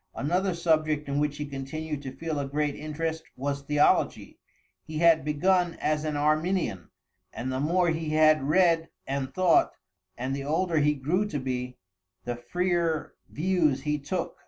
Another subject in which he continued to feel a great interest was theology. He had begun as an Arminian, and the more he had read and thought, and the older he grew to be, the freer views he took.